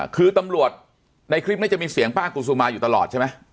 คือตำรวจในคลิปนี้จะมีเสียงป้ากุศุมาอยู่ตลอดใช่ไหม